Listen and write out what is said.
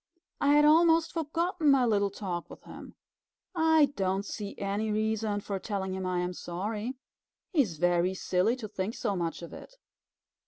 I had almost forgotten my little talk with him. I don't see any reason for telling him I am sorry. He is very silly to think so much of it."